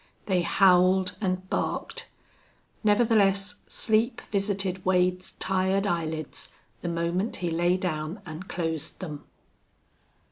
They howled and barked. Nevertheless sleep visited Wade's tired eyelids the moment he lay down and closed them.